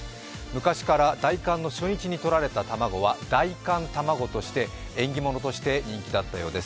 昔から大寒の初日にとられた卵は大寒卵として、縁起物として人気があったようです。